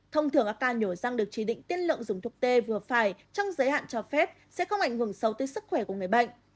thông thường các ca nhổ răng được chỉ định tiên lượng dùng thực tê vừa phải trong giới hạn cho phép sẽ không ảnh hưởng xấu tới sức khỏe của người bệnh